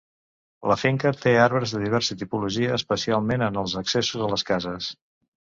La finca té arbres de diversa tipologia, especialment en els accessos a les cases.